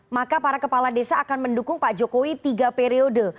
maka para kepala desa akan mendukung pak jokowi tiga periode